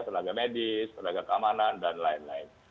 tenaga medis tenaga keamanan dan lain lain